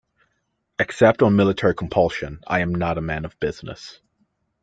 Except on military compulsion, I am not a man of business.